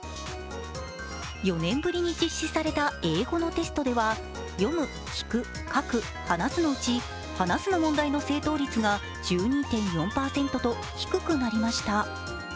４年ぶりに実施された英語のテストでは読む・聞く・書く・話すのうち話すの問題の正答率が１２．４％と低くなりました。